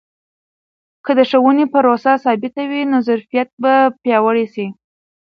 که د ښوونې پروسه ثابته وي، نو ظرفیت به پیاوړی سي.